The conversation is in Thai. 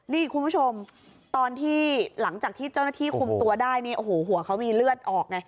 นี่คุณผู้ชมตอนที่หลังจากที่เจ้าหน้าที่คุมตัวได้เนี่ยโอ้โหหัวเขามีเลือดออกไง